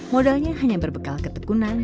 modalnya hanya berbekal ketekunan